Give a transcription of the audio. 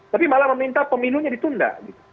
tapi malah meminta pemilunya ditunda